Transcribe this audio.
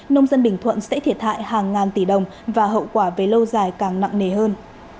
nông dân bình thuận sẽ thiệt hại hàng ngàn tỷ đồng và hậu quả về lâu dài càng nặng nề hơn